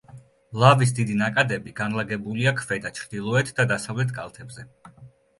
ლავის დიდი ნაკადები განლაგებულია ქვედა ჩრდილოეთ და დასავლეთ კალთებზე.